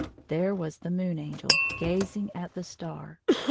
There was the Moon Angel gazing at the star.